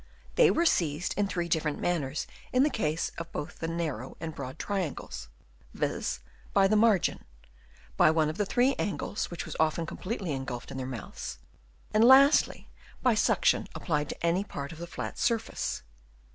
They were seized in three different manners in the case of both the narrow and broad triangles : viz., by the margin ; by one of the three angles, which was often completely engulfed in their mouths ; and lastly, by suction applied to any part of the flat surface.